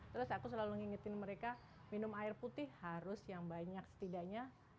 terus aku selalu ngingetin mereka minum air putih harus yang banyak setidaknya